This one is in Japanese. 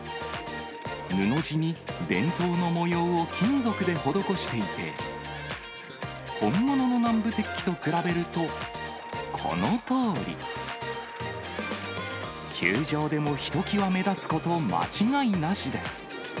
布地に伝統の模様を金属で施していて、本物の南部鉄器と比べると、このとおり。球場でもひときわ目立つこと間違いなしです。